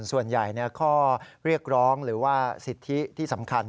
ส่วนใหญ่ข้อเรียกร้องหรือว่าสิทธิที่สำคัญ